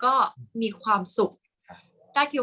กากตัวทำอะไรบ้างอยู่ตรงนี้คนเดียว